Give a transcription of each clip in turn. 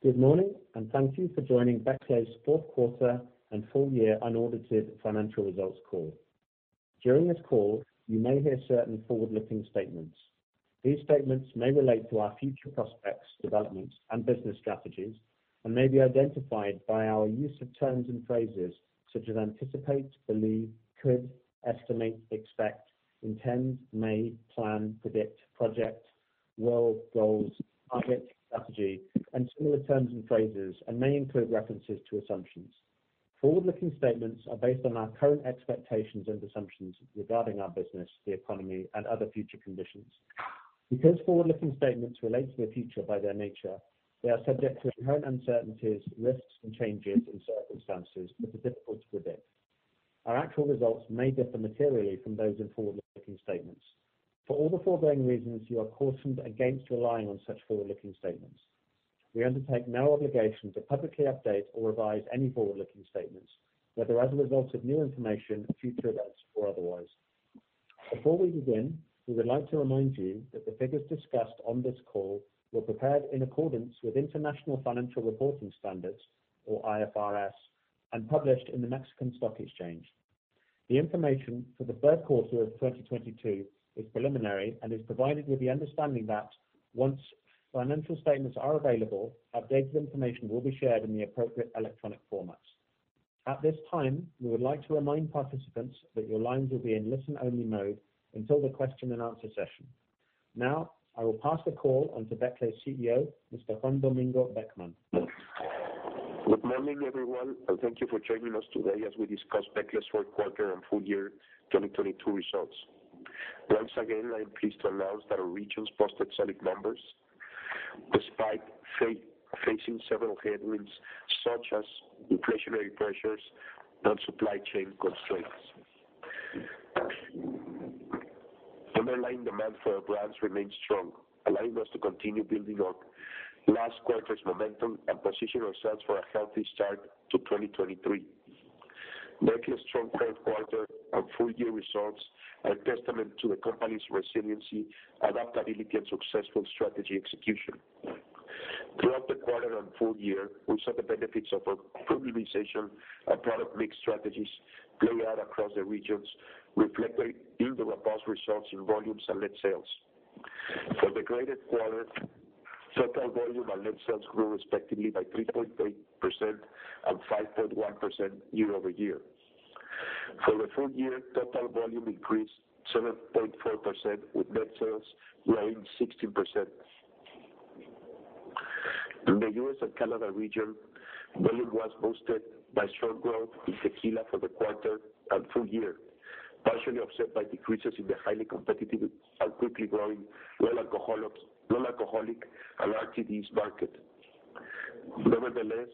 Good morning, and thank you for joining Becle's fourth quarter and full year unaudited financial results call. During this call, you may hear certain forward-looking statements. These statements may relate to our future prospects, developments, and business strategies, and may be identified by our use of terms and phrases such as anticipate, believe, could, estimate, expect, intend, may, plan, predict, project, will, goals, target, strategy, and similar terms and phrases, and may include references to assumptions. Forward-looking statements are based on our current expectations and assumptions regarding our business, the economy, and other future conditions. Because forward-looking statements relate to the future by their nature, they are subject to inherent uncertainties, risks, and changes in circumstances that are difficult to predict. Our actual results may differ materially from those in forward-looking statements. For all the foregoing reasons, you are cautioned against relying on such forward-looking statements. We undertake no obligation to publicly update or revise any forward-looking statements, whether as a result of new information, future events, or otherwise. Before we begin, we would like to remind you that the figures discussed on this call were prepared in accordance with International Financial Reporting Standards or IFRS, and published in the Mexican Stock Exchange. The information for the Q3 of 2022 is preliminary and is provided with the understanding that once financial statements are available, updated information will be shared in the appropriate electronic formats. At this time, we would like to remind participants that your lines will be in listen-only mode until the Q&A session. I will pass the call on to Becle's CEO, Mr. Juan Domingo Beckmann. Good morning, everyone, and thank you for joining us today as we discuss Becle's Q4 and full year 2022 results. Once again, I am pleased to announce that our regions posted solid numbers despite facing several headwinds, such as inflationary pressures and supply chain constraints. The underlying demand for our brands remains strong, allowing us to continue building on last quarter's momentum and position ourselves for a healthy start to 2023. Becle's strong Q3 and full year results are a testament to the company's resiliency, adaptability, and successful strategy execution. Throughout the quarter and full year, we saw the benefits of our premiumization and product mix strategies play out across the regions, reflecting in the robust results in volumes and net sales. For the greater quarter, total volume and net sales grew respectively by 3.3% and 5.1% year-over-year. For the full year, total volume increased 7.4% with net sales growing 16%. In the US & Canada region, volume was boosted by strong growth in tequila for the quarter and full year, partially offset by decreases in the highly competitive and quickly growing non-alcoholic and RTDs market. Nevertheless,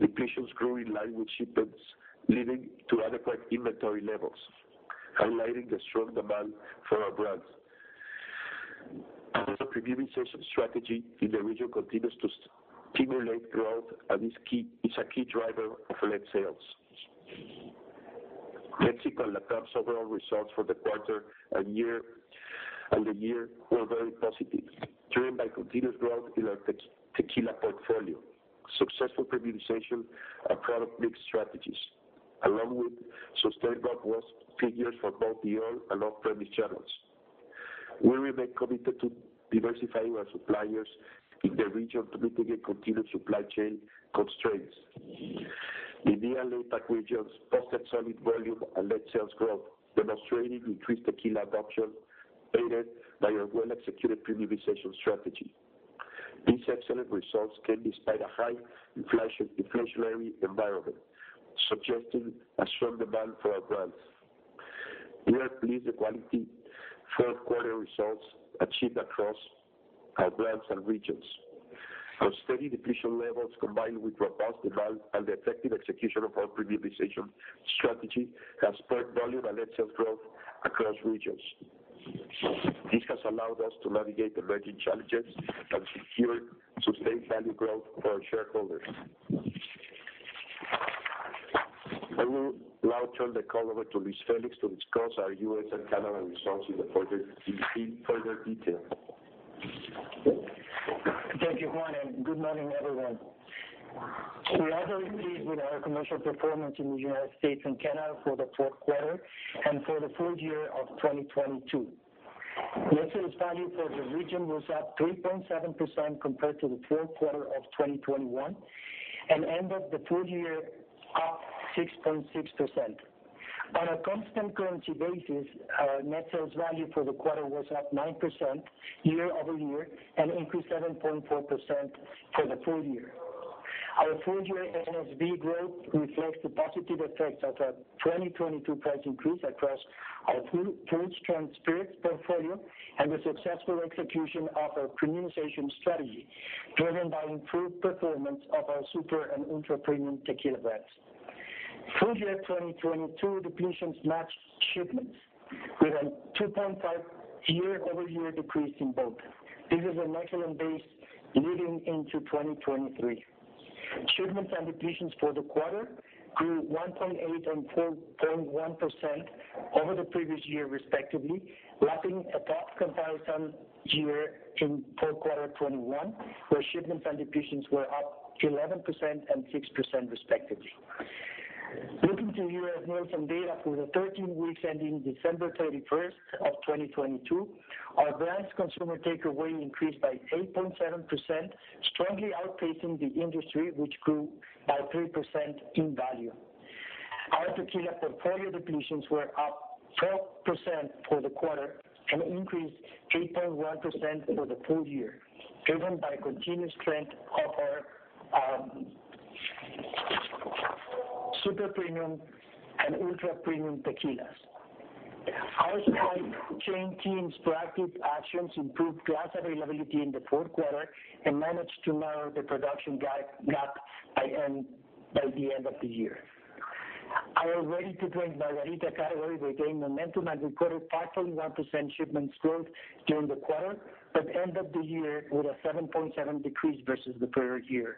depletions grew in line with shipments leading to adequate inventory levels, highlighting the strong demand for our brands. Our premiumization strategy in the region continues to stimulate growth and is a key driver of net sales. Mexico and LatAm's overall results for the quarter and year were very positive, driven by continued growth in our tequila portfolio, successful premiumization and product mix strategies, along with sustained robust figures for both the on and off-premise channels. We remain committed to diversifying our suppliers in the region to mitigate continued supply chain constraints. The Mexico and LatAm regions posted solid volume and net sales growth, demonstrating increased tequila adoption aided by our well-executed premiumization strategy. These excellent results came despite a high inflation, inflationary environment, suggesting a strong demand for our brands. We are pleased with quality Q4 results achieved across our brands and regions. Our steady depletion levels, combined with robust demand and the effective execution of our premiumization strategy, have spurred volume and net sales growth across regions. This has allowed us to navigate emerging challenges and secure sustained value growth for our shareholders. I will now turn the call over to Luis Félix to discuss our U.S. and Canada results in further detail. Thank you, Juan. Good morning, everyone. We are very pleased with our commercial performance in the United States and Canada for the Q4 and for the full year of 2022. Net sales value for the region was up 3.7% compared to the Q4 of 2021, and ended the full year up 6.6%. On a constant currency basis, our net sales value for the quarter was up 9% year-over-year and increased 7.4% for the full year. Our full year NSV growth reflects the positive effects of our 2022 price increase across our full-strength spirits portfolio and the successful execution of our premiumization strategy, driven by improved performance of our super and ultra-premium tequila brands. Full year 2022 depletions matched shipments with a 2.5 year-over-year decrease in both. This is a solid base leading into 2023. Shipments and depletions for the quarter grew 1.8% and 4.1% over the previous year respectively, lapping a tough comparison year in Q4 2021, where shipments and depletions were up 11% and 6% respectively. Looking to U.S. Nielsen data for the 13 weeks ending December 31st of 2022, our brands consumer takeaway increased by 8.7%, strongly outpacing the industry, which grew by 3% in value. Our tequila portfolio depletions were up 12% for the quarter and increased 8.1% for the full year, driven by continuous strength of our super premium and ultra premium tequilas. Our supply chain team's proactive actions improved glass availability in the Q4 and managed to narrow the production gap by the end of the year. Our Ready to Drink margarita category regained momentum and recorded 13.1% shipments growth during the quarter, but end of the year with a 7.7% decrease versus the prior year,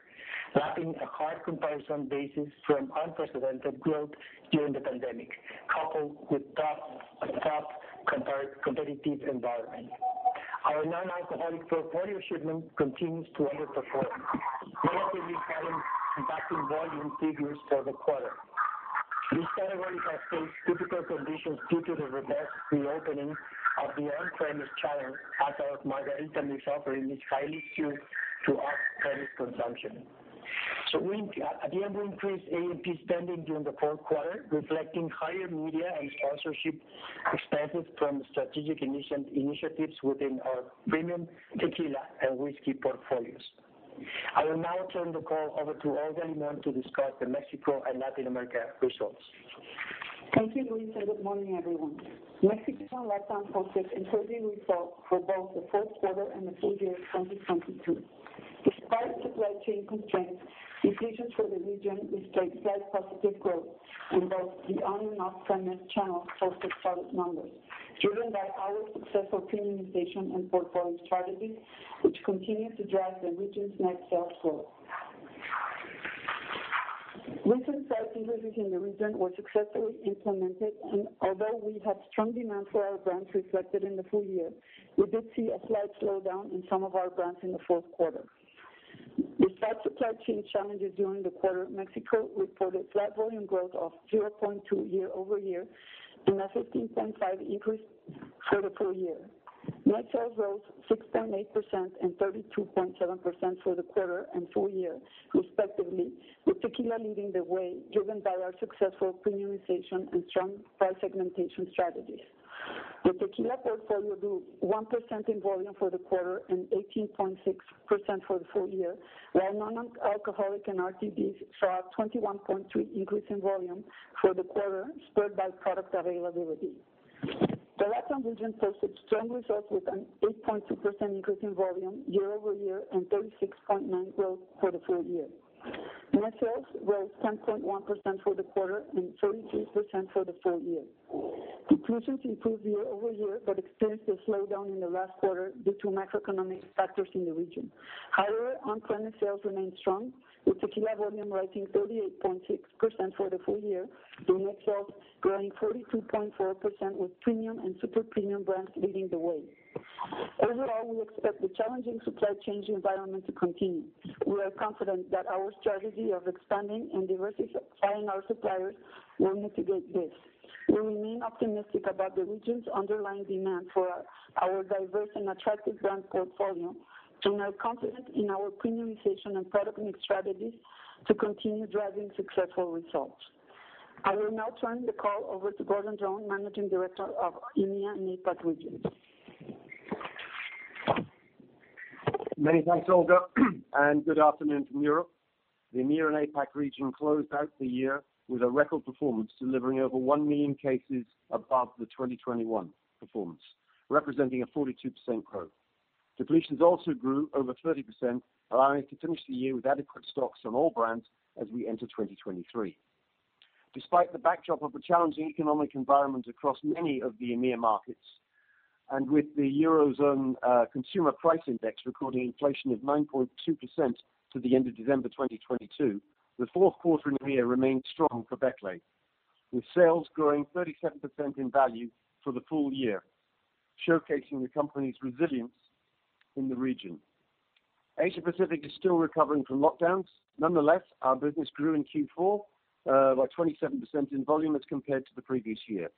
lapping a hard comparison basis from unprecedented growth during the pandemic, coupled with a tough competitive environment. Our non-alcoholic portfolio shipment continues to underperform, negatively impacting volume figures for the quarter. This category has faced difficult conditions due to the robust reopening of the on-premise channel as our margarita mix offering is highly skewed to off-premise consumption. We at the end, we increased A&P spending during the fourth quarter, reflecting higher media and sponsorship expenses from strategic initiatives within our premium tequila and whiskey portfolios. I will now turn the call over to Olga Limón Montaño to discuss the Mexico and Latin America results. Thank you, Luis, and good morning, everyone. Mexico and Latin posted encouraging results for both the Q4 and the full year 2022. Despite supply chain constraints, depletions for the region displayed positive growth in both the on and off premise channel posted product numbers, driven by our successful premiumization and portfolio strategies, which continue to drive the region's net sales growth. Recent price increases in the region were successfully implemented, and although we had strong demand for our brands reflected in the full year, we did see a slight slowdown in some of our brands in the Q4. Despite supply chain challenges during the quarter, Mexico reported flat volume growth of 0.2 year-over-year and a 15.5 increase for the full year. Net sales rose 6.8% and 32.7% for the quarter and full year, respectively, with tequila leading the way, driven by our successful premiumization and strong price segmentation strategies. The tequila portfolio grew 1% in volume for the quarter and 18.6% for the full year, while non-alcoholic and RTDs saw a 21.3 increase in volume for the quarter, spurred by product availability. The Latin region posted strong results with an 8.2% increase in volume year-over-year, and 36.9 growth for the full year. Net sales rose 10.1% for the quarter and 33% for the full year. Depletions improved year-over-year but experienced a slowdown in the last quarter due to macroeconomic factors in the region. However, on-premise sales remained strong, with tequila volume rising 38.6% for the full year and net sales growing 42.4%, with premium and super premium brands leading the way. Overall, we expect the challenging supply chain environment to continue. We are confident that our strategy of expanding and diversifying our suppliers will mitigate this. We remain optimistic about the region's underlying demand for our diverse and attractive brand portfolio, and are confident in our premiumization and product mix strategies to continue driving successful results. I will now turn the call over to Gordon Dron, Managing Director of EMEA and APAC region. Many thanks, Olga. Good afternoon from Europe. The EMEA and APAC region closed out the year with a record performance, delivering over one million cases above the 2021 performance, representing a 42% growth. Depletions also grew over 30%, allowing us to finish the year with adequate stocks on all brands as we enter 2023. Despite the backdrop of a challenging economic environment across many of the EMEA markets, with the Eurozone consumer price index recording inflation of 9.2% to the end of December 2022, the Q4 in EMEA remained strong for Becle, with sales growing 37% in value for the full year, showcasing the company's resilience in the region. Asia Pacific is still recovering from lockdowns. Our business grew in Q4 by 27% in volume as compared to the previous year.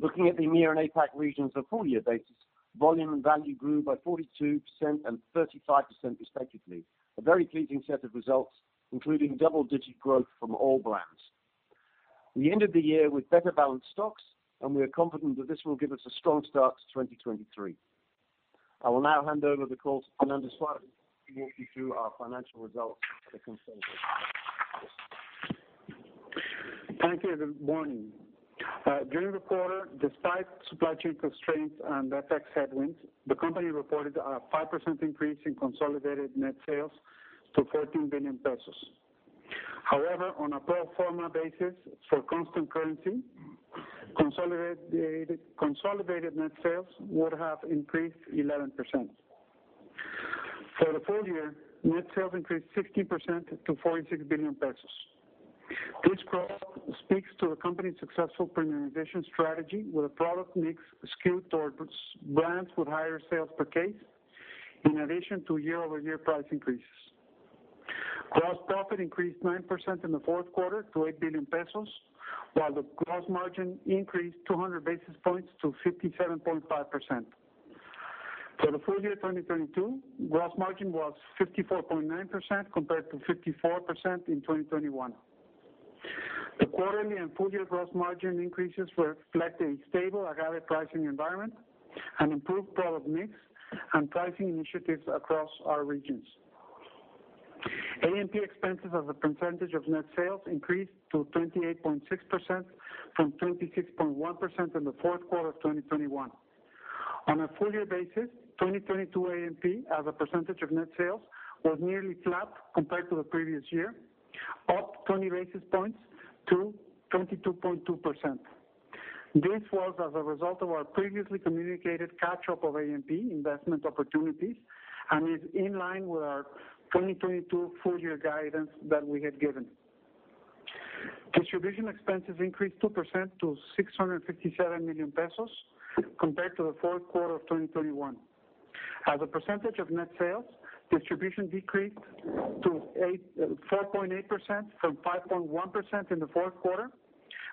Looking at the EMEA and APAC region for full year basis, volume and value grew by 42% and 35%, respectively. A very pleasing set of results, including double-digit growth from all brands. We ended the year with better balanced stocks, and we are confident that this will give us a strong start to 2023. I will now hand over the call to Fernando Suárez to walk you through our financial results for the consolidated. Thank you, good morning. During the quarter, despite supply chain constraints and FX headwinds, the company reported a 5% increase in consolidated net sales to 14 billion pesos. However, on a pro forma basis for constant currency, consolidated net sales would have increased 11%. For the full year, net sales increased 16% to 46 billion pesos. This growth speaks to the company's successful premiumization strategy, with a product mix skewed towards brands with higher sales per case in addition to year-over-year price increases. Gross profit increased 9% in the Q4 to 8 billion pesos, while the gross margin increased 200 basis points to 57.5%. For the full year 2022, gross margin was 54.9% compared to 54% in 2021. The quarterly and full year gross margin increases reflect a stable agave pricing environment, an improved product mix, and pricing initiatives across our regions. A&P expenses as a percentage of net sales increased to 28.6% from 26.1% in the Q4 of 2021. On a full year basis, 2022 A&P as a percentage of net sales was nearly flat compared to the previous year, up 20 basis points to 22.2%. This was as a result of our previously communicated catch-up of A&P investment opportunities and is in line with our 2022 full year guidance that we had given. Distribution expenses increased 2% to 657 million pesos compared to the Q4 of 2021. As a percentage of net sales, distribution decreased to 4.8% from 5.1% in the fourth quarter,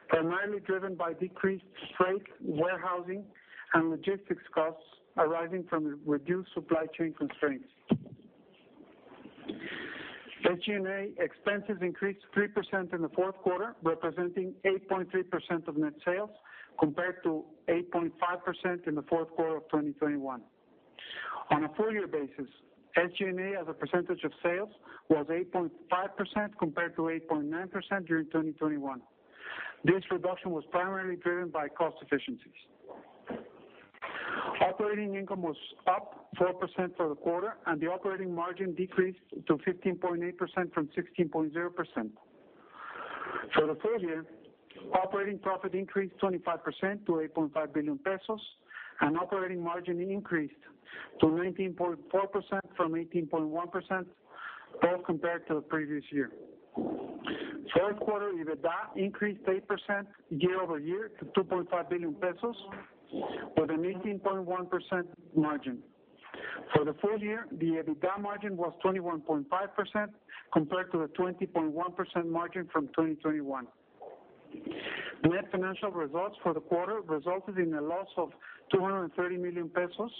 primarily driven by decreased freight, warehousing, and logistics costs arising from the reduced supply chain constraints. SG&A expenses increased 3% in the Q4, representing 8.3% of net sales, compared to 8.5% in the Q4 of 2021. On a full year basis, SG&A as a percentage of sales was 8.5% compared to 8.9% during 2021. This reduction was primarily driven by cost efficiencies. Operating income was up 4% for the quarter, and the operating margin decreased to 15.8% from 16.0%. For the full year, operating profit increased 25% to 8.5 billion pesos, and operating margin increased to 19.4% from 18.1%, both compared to the previous year. Q4 EBITDA increased 8% year-over-year to 2.5 billion pesos with an 18.1% margin. For the full year, the EBITDA margin was 21.5% compared to the 20.1% margin from 2021. Net financial results for the quarter resulted in a loss of 230 million pesos,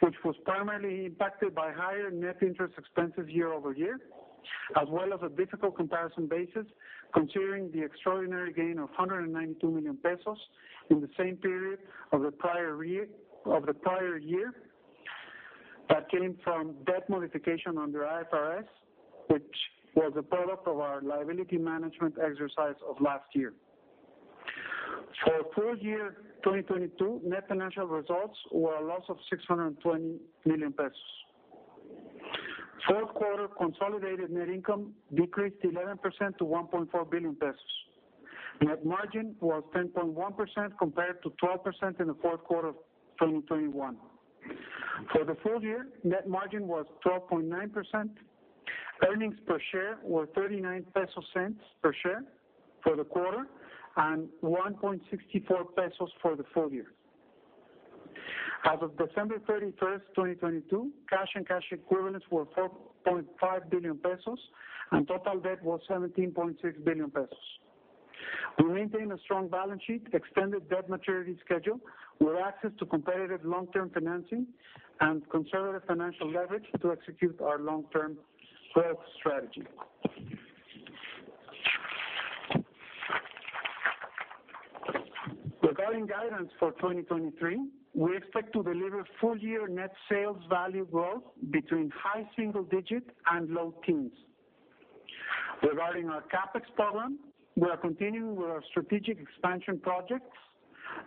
which was primarily impacted by higher net interest expenses year-over-year, as well as a difficult comparison basis considering the extraordinary gain of 192 million pesos in the same period of the prior year that came from debt modification under IFRS, which was a product of our liability management exercise of last year. For full year 2022, net financial results were a loss of 620 million pesos. Q4 consolidated net income decreased 11% to 1.4 billion pesos. Net margin was 10.1% compared to 12% in the Q4 of 2021. For the full year, net margin was 12.9%. Earnings per share were 0.39 per share for the quarter and 1.64 pesos for the full year. As of December 31st, 2022, cash and cash equivalents were 4.5 billion pesos, and total debt was 17.6 billion pesos. We maintain a strong balance sheet, extended debt maturity schedule, with access to competitive long-term financing and conservative financial leverage to execute our long-term growth strategy. Regarding guidance for 2023, we expect to deliver full year net sales value growth between high single digits and low teens. Regarding our CapEx program, we are continuing with our strategic expansion projects,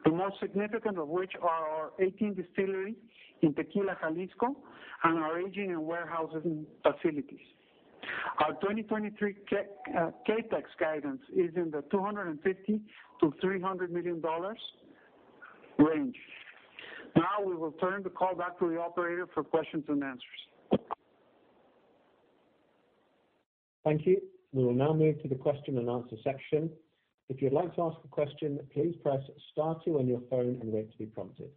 the most significant of which are our 1800 distillery in Tequila, Jalisco, and our aging and warehousing facilities. Our 2023 CapEx guidance is in the $250 million-$300 million range. We will turn the call back to the operator for Q&A. Thank you. We will now move to the Q&A section. If you'd like to ask a question, please press star two on your phone and wait to be prompted.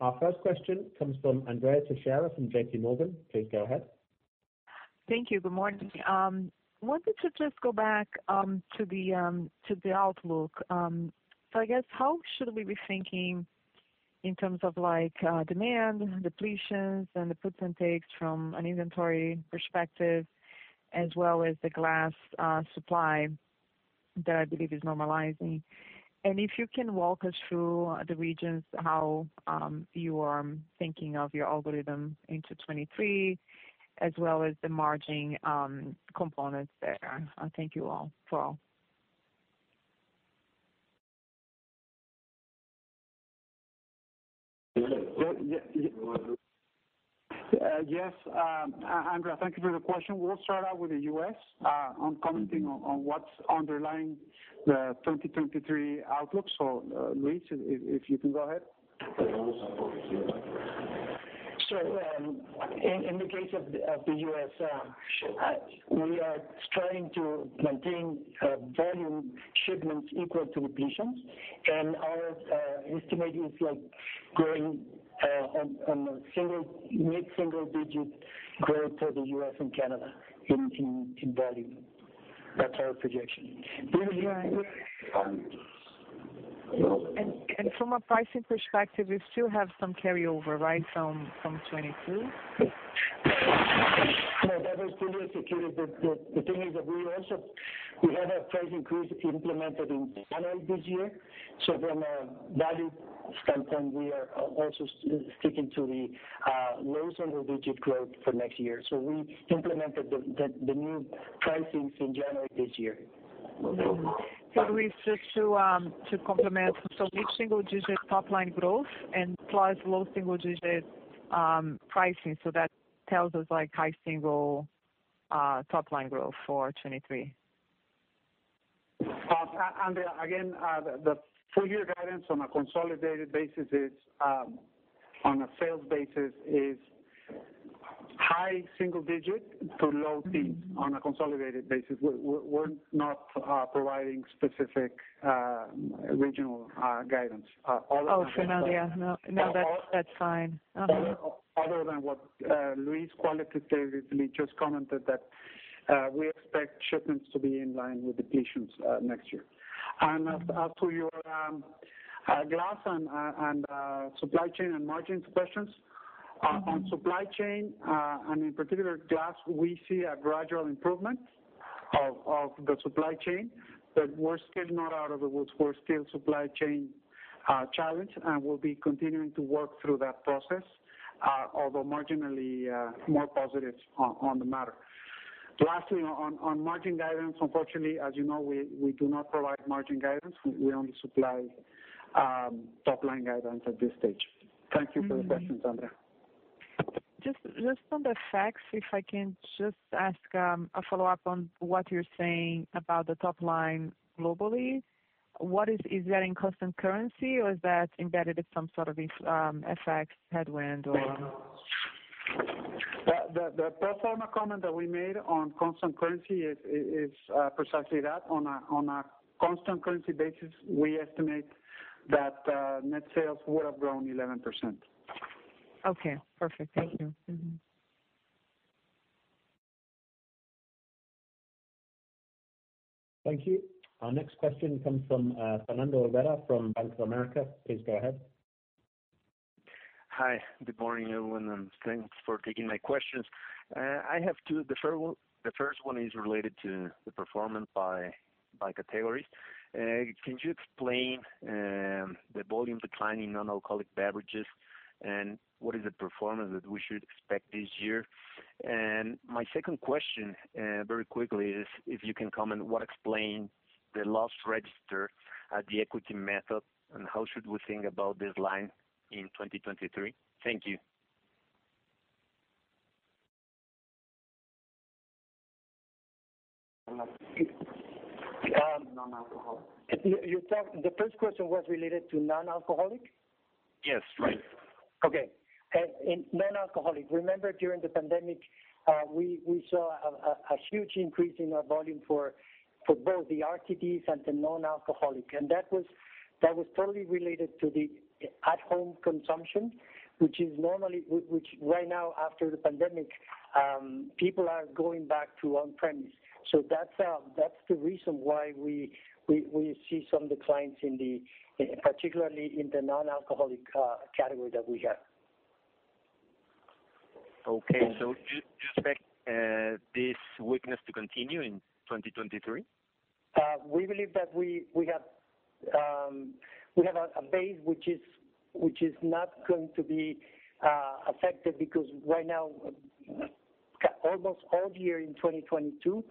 Our first question comes from Andrea Teixeira from JPMorgan. Please go ahead. Thank you. Good morning. wanted to just go back to the to the outlook. I guess how should we be thinking in terms of like demand, depletions, and the puts and takes from an inventory perspective as well as the glass supply that I believe is normalizing? If you can walk us through the regions, how you are thinking of your algorithm into 2023 as well as the margin components there? Thank you all for all. Yeah, yes, Andrea, thank you for the question. We'll start out with the U.S., on commenting on what's underlying the 2023 outlook. Luis, if you can go ahead. In the case of the U.S., we are striving to maintain volume shipments equal to depletions. Our estimate is like growing on a mid-single digit growth for the U.S. and Canada in volume. That's our projection. Right. From a pricing perspective, you still have some carryover, right, from 2022? No, that is previously stated. The thing is that we also, we have a price increase implemented in January this year. From a value standpoint, we are also sticking to the low single digit growth for next year. We implemented the new pricings in January this year. Luis, just to complement, mid-single digit top line growth and plus low single digit, pricing, that tells us like high single, top line growth for 2023. Andrea, again, the full year guidance on a consolidated basis is on a sales basis is high single digit to low teens on a consolidated basis. We're not providing specific regional guidance. Other than that. Oh, No, yeah, no. No, that's fine. Uh-huh. Other than what Luis qualitatively just commented that we expect shipments to be in line with depletions next year. As to your glass and supply chain and margins questions. On supply chain and in particular glass, we see a gradual improvement of the supply chain, but we're still not out of the woods. We're still supply chain challenged, and we'll be continuing to work through that process, although marginally more positive on the matter. Lastly, on margin guidance, unfortunately, as you know, we do not provide margin guidance. We only supply top line guidance at this stage. Thank you for the question, Andrea. Just on the facts, if I can just ask a follow-up on what you're saying about the top line globally. Is that in constant currency or is that embedded in some sort of this FX headwind or? The pro forma comment that we made on constant currency is precisely that. On a constant currency basis, we estimate that net sales would have grown 11%. Okay, perfect. Thank you. Thank you. Our next question comes from, Fernando Olvera from Bank of America. Please go ahead. Hi. Good morning, everyone, and thanks for taking my questions. I have two. The first one is related to the performance by categories. Can you explain the volume decline in non-alcoholic beverages, and what is the performance that we should expect this year? My second question, very quickly is if you can comment what explain the loss register at the equity method, and how should we think about this line in 2023? Thank you. Non-alcoholic. You talked. The first question was related to non-alcoholic? Yes. Right. Okay. In non-alcoholic, remember during the pandemic, we saw a huge increase in our volume for both the RTDs and the non-alcoholic. That was totally related to the at home consumption, which right now after the pandemic, people are going back to on-premise. That's the reason why we see some declines in the particularly in the non-alcoholic category that we have. Do you expect this weakness to continue in 2023? We believe that we have a base which is not going to be affected because right now, almost all year in 2022,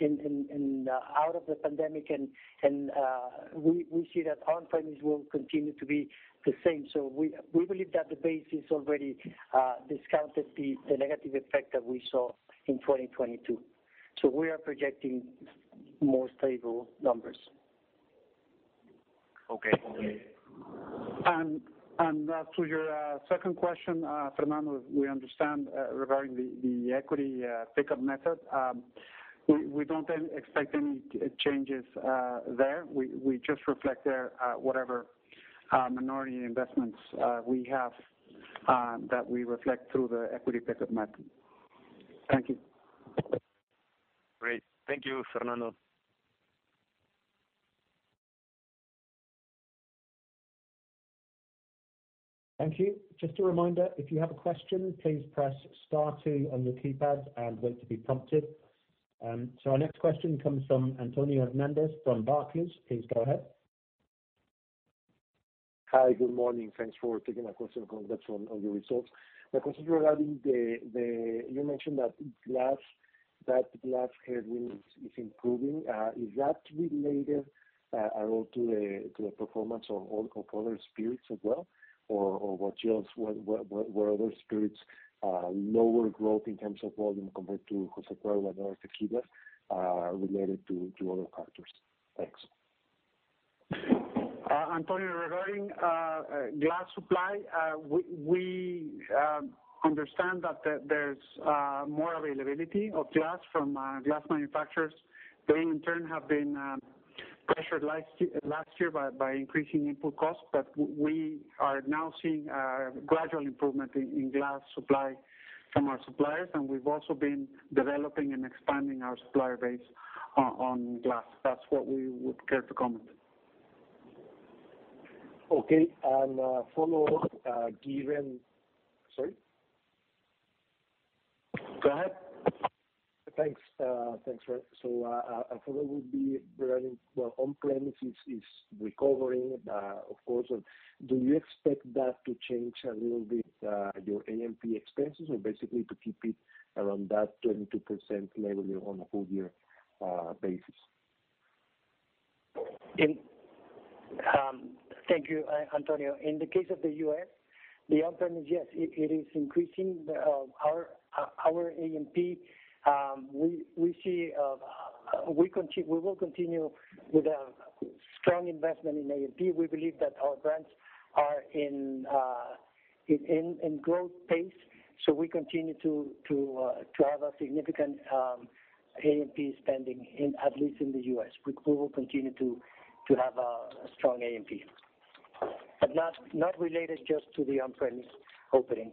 we were out of the pandemic and, we see that on-premise will continue to be the same. We believe that the base is already discounted the negative effect that we saw in 2022. We are projecting more stable numbers. Okay. As to your second question, Fernando, we understand regarding the equity pickup method. We don't expect any changes there. We just reflect there, whatever minority investments we have, that we reflect through the equity pickup method. Thank you. Great. Thank you, Fernando. Thank you. Just a reminder, if you have a question, please press star two on your keypad and wait to be prompted. Our next question comes from Antonio Hernández from Barclays. Please go ahead. Hi. Good morning. Thanks for taking my question on your results. My question regarding the you mentioned that glass That glass headwind is improving. Is that related at all to the performance of other spirits as well? Were other spirits lower growth in terms of volume compared to Jose Cuervo and other tequilas, related to other factors? Thanks. Antonio, regarding glass supply, we understand that there's more availability of glass from glass manufacturers. They, in turn, have been pressured last year by increasing input costs. We are now seeing gradual improvement in glass supply from our suppliers, and we've also been developing and expanding our supplier base on glass. That's what we would care to comment. Okay. Sorry. Go ahead. Thanks. Thanks, Fred. A follow would be regarding, well, on-premise is recovering, of course. Do you expect that to change a little bit your AMP expenses, or basically to keep it around that 22% level on a full year basis? Thank you, Antonio. In the case of the U.S., the on-prem is, yes, it is increasing the, our AMP. We see, we will continue with a strong investment in AMP. We believe that our brands are in growth pace. We continue to have a significant AMP spending in, at least in the U.S. We will continue to have a strong AMP. Not related just to the on-premise opening.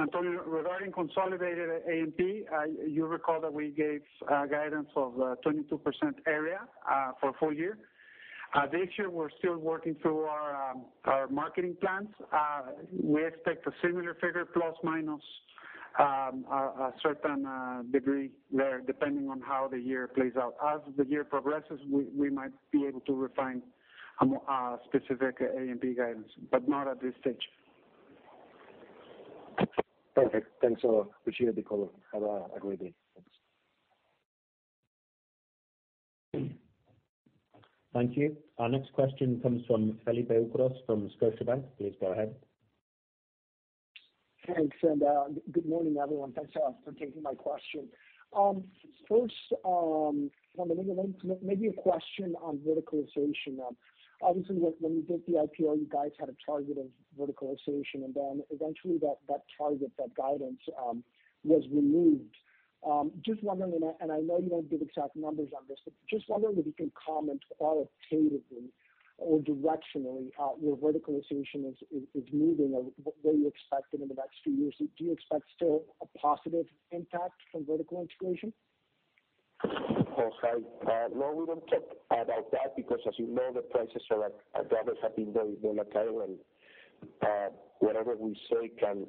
Antonio, regarding consolidated AMP, you recall that we gave guidance of 22% area for full year. This year, we're still working through our marketing plans. We expect a similar figure plus minus a certain degree there, depending on how the year plays out. As the year progresses, we might be able to refine a more specific AMP guidance, but not at this stage. Perfect. Thanks a lot. Appreciate the call. Have a great day. Thanks. Thank you. Our next question comes from Felipe Ucros from Scotiabank. Please go ahead. Thanks, good morning, everyone. Thanks for taking my question. First, Juan, maybe a question on verticalization. Obviously, when you did the IPO, you guys had a target of verticalization, and then eventually that target, that guidance was removed. Just wondering, and I know you don't give exact numbers on this, but just wondering if you can comment qualitatively or directionally, where verticalization is moving or where you expect it in the next few years? Do you expect still a positive impact from vertical integration? [About that] no, we don't talk about that because as you know, the prices of agaves have been very volatile, and whatever we say can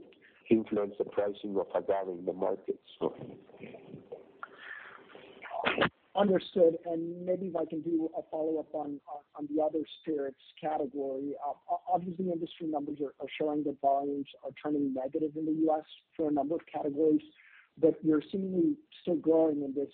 influence the pricing of agave in the market, so. Understood. Maybe if I can do a follow-up on the other spirits category. Obviously, industry numbers are showing that volumes are turning negative in the U.S. for a number of categories, but you're seemingly still growing in this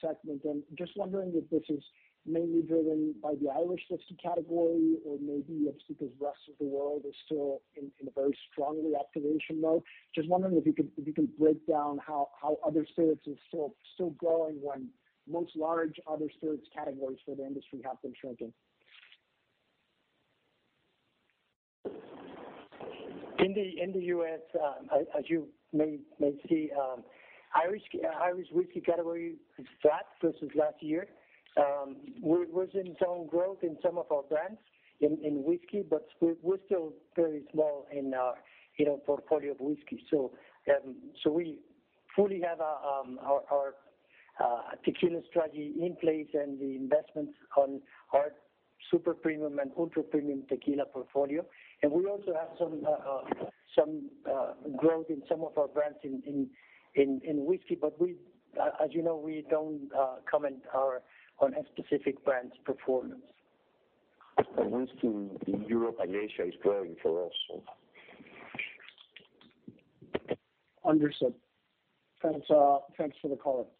segment. Just wondering if this is mainly driven by the Irish whiskey category or maybe it's because rest of the world is still in a very strong reactivation mode. Just wondering if you can break down how other spirits is still growing when most large other spirits categories for the industry have been shrinking? In the U.S., as you may see, Irish whiskey category is flat versus last year. We're seeing some growth in some of our brands in whiskey, but we're still very small in our portfolio of whiskey. We fully have our tequila strategy in place and the investment on our super premium and ultra-premium tequila portfolio. We also have some growth in some of our brands in whiskey. We, as you know, we don't comment on a specific brand's performance. Whiskey in Europe and Asia is growing for us. Understood. Thanks, thanks for the call.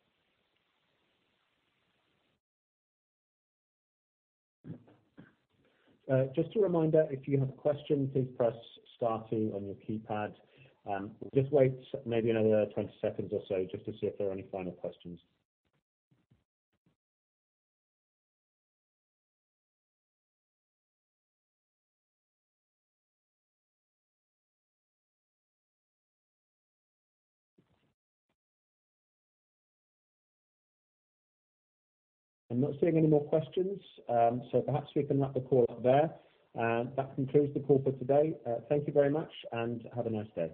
Just a reminder, if you have a question, please press star two on your keypad. We'll just wait maybe another 20 seconds or so, just to see if there are any final questions. I'm not seeing any more questions, perhaps we can wrap the call up there. That concludes the call for today. Thank you very much, and have a nice day.